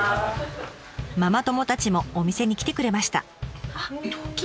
ママ友たちもお店に来てくれました。